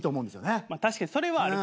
確かにそれはある。